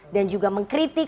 dan juga mengkritik